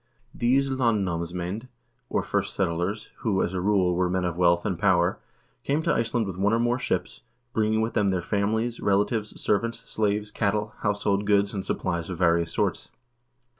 1 These land namsmcend, or first settlers, who, as a rule, were men of wealth and power, came to Iceland with one or more ships, bringing with them their families, relatives, servants, slaves, cattle, household goods, and supplies of various sorts.